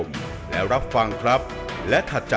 เหมือนเล็บแบบงองเหมือนเล็บตลอดเวลา